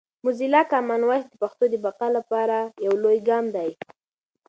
موزیلا کامن وایس د پښتو د بقا لپاره یو لوی ګام دی.